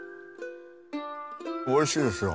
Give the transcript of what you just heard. おいしいですよ。